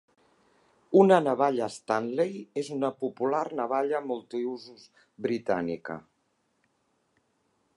Una navalla Stanley és una popular navalla multiusos britànica